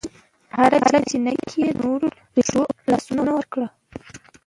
هره چینه کې یې د نور رېښو لاسونه وکړه